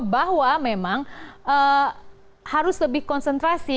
bahwa memang harus lebih konsentrasi